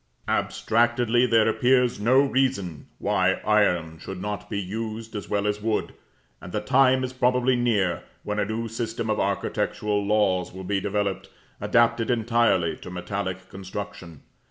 Abstractedly there appears no reason why iron should not be used as well as wood; and the time is probably near when a new system of architectural laws will be developed, adapted entirely to metallic construction.